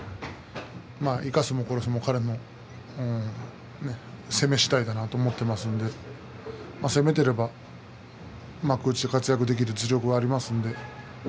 生かすも殺すも彼の攻め次第だと思っていますので攻めていれば幕内で活躍できる実力があります。